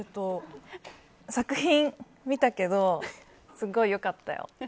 作品見たけど、すごい良かったよ。